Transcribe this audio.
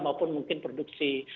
maupun mungkin produksi